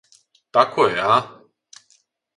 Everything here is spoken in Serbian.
Тако је, а?